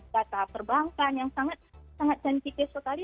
data perbankan yang sangat sensitif sekali